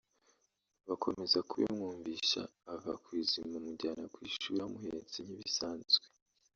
bakomeza kubimwumvisha ava ku izima amujyana ku ishuri amuhetse nk’ibisanzwe